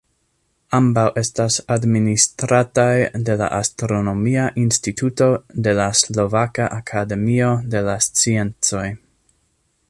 Ambaŭ estas administrataj de la Astronomia instituto de la Slovaka akademio de la sciencoj.